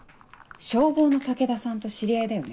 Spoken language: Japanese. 消防の武田さんと知り合いだよね。